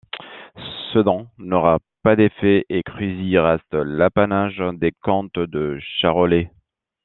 Ce don n'aura pas d'effet et Cruzy reste l'apanage des comtes de Charolais.